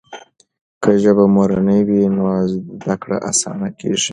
که ژبه مورنۍ وي نو زده کړه اسانه کېږي.